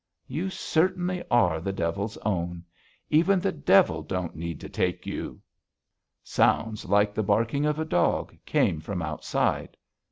"You certainly are the devil's own. Even the devil don't need to take you." Sounds like the barking of a dog came from outside.